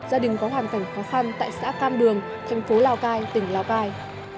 gia đình có hoàn cảnh khó khăn tại xã cam đường thành phố lào cai tỉnh lào cai